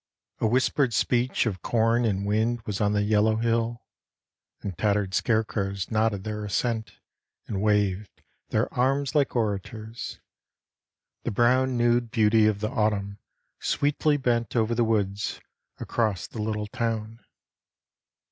A whispered speech Of corn and wind was on the yellow hill, And tattered scarecrows nodded their assent And waved their arms like orators. The brown Nude beauty of the Autumn sweetly bent Over the woods, across the little town.